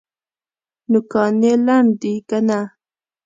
نوکان یې لنډ دي که نه؟